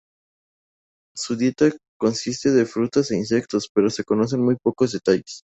Su dieta consiste de frutas e insectos, pero se conocen muy pocos detalles.